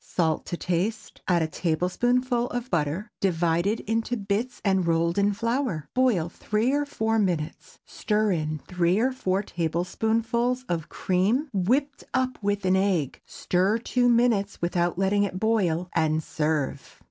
Salt to taste; add a tablespoonful of butter, divided into bits and rolled in flour. Boil three or four minutes; stir in three or four tablespoonfuls of cream whipped up with an egg, stir two minutes without letting it boil, and serve.